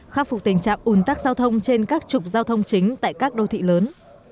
khắc phục tình trạng ủn tắc giao thông trên các trục giao thông chính tại các đô thị lớn